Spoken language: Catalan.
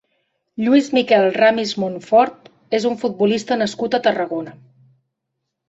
Lluís Miquel Ramis Montfort és un futbolista nascut a Tarragona.